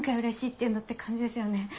「嬉しい」って言うんだって感じですよね。